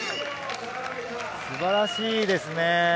素晴らしいですね。